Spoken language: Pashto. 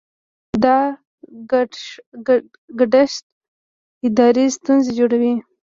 دا ګډښت اداري ستونزې جوړوي.